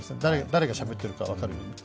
誰がしゃべっているか分かるように。